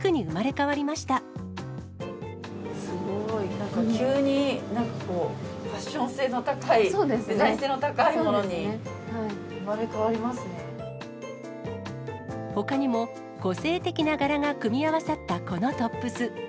すごい、なんか急に、なんかこう、ファッション性の高い、デザイン性の高ほかにも、個性的な柄が組み合わさったこのトップス。